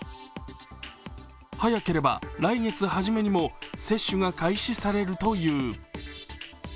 速ければ、来月初めにも接種が開始されるという。